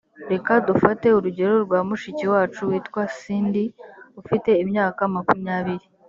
reka dufate urugero rwa mushiki wacu witwa cindy ufite imyaka makumyabiri